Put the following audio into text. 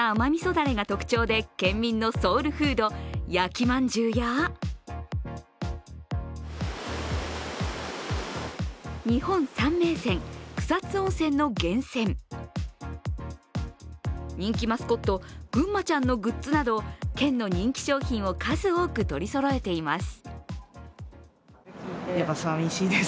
だれが特徴で県民のソウルフード、焼きまんじゅうや日本三名泉・草津温泉の源泉、人気マスコットぐんまちゃんのグッズなど県の人気商品を数多く取りそろえています。